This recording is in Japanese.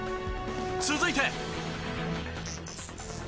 続いて。